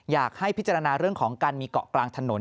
อยากให้พิจารณาเรื่องของการมีเกาะกลางถนน